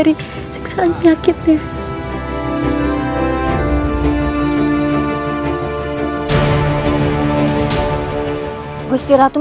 iya kasihan gusti ratu